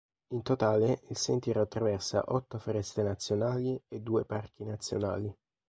In totale, il sentiero attraversa otto foreste nazionali e due parchi nazionali.